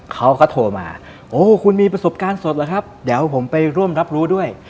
เขาก็โทรมาโอ้คุณมีประสบการณ์สดเหรอครับเดี๋ยวผมไปร่วมรับรู้ด้วย